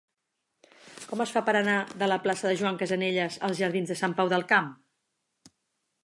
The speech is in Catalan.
Com es fa per anar de la plaça de Joan Casanelles als jardins de Sant Pau del Camp?